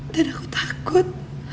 dan aku takut